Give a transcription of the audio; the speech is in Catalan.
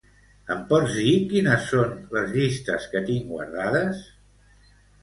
Em pots dir quines són les llistes que tinc guardades?